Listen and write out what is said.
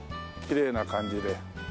きれいな感じで。